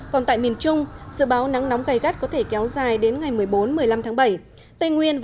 còn tại miền trung dự báo nắng nóng cay gắt có thể kéo dài đến ngày một mươi bốn một mươi năm tháng bảy